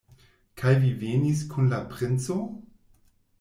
Kaj vi venis kun la princo?